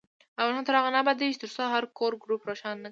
افغانستان تر هغو نه ابادیږي، ترڅو هر کور ګروپ روښانه نکړي.